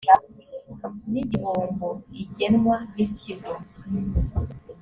n igihombo igenwa n ikigo